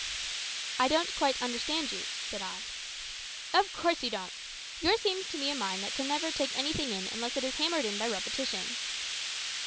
"I don't quite understand you," said I. "Of course you don't. Yours seems to be a mind that can never take anything in unless it is hammered in by repetition."